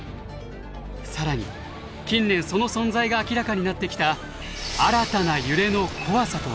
更に近年その存在が明らかになってきた新たな揺れの怖さとは。